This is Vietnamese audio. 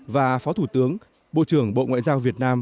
và phó thủ tướng bộ trưởng bộ ngoại giao việt nam